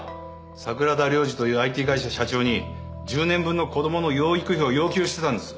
桜田良次というＩＴ会社社長に１０年分の子どもの養育費を要求してたんです。